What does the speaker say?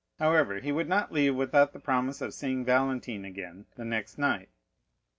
However, he would not leave without the promise of seeing Valentine again the next night.